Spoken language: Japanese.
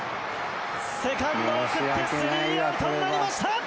セカンドが送ってスリーアウトになりました。